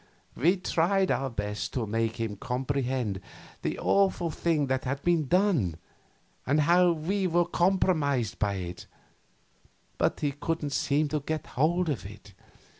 We tried our best to make him comprehend the awful thing that had been done and how we were compromised by it, but he couldn't seem to get hold of it.